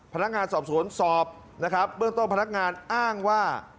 พนักงานสอบสวนสอบนะครับเบื้องต้นพนักงานอ้างว่า